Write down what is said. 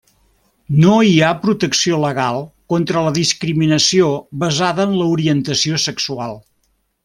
No hi ha protecció legal contra la discriminació basada en orientació sexual.